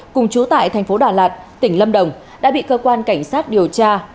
cùng chú tại thành phố đà lạt tỉnh lâm đồng đã bị cơ quan cảnh sát điều tra